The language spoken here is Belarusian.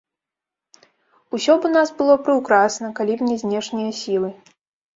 Усё б у нас было прыўкрасна, калі б не знешнія сілы.